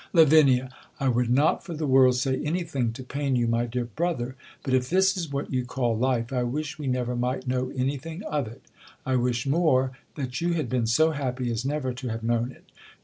Lav, I would not for the world say any thing to pain you, my dear brother; but if this is what you call life, I wish we never might know any thing of it. I wish more, that you had been so happy as never to have known it.